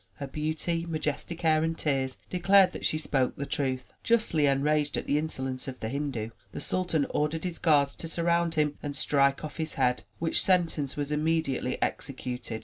Her beauty, majestic air and tears, declared that she spoke the truth. Justly enraged at the insolence of the Hindu, the sultan ordered his guards to surround him and strike off his head, which sentence was immediately executed.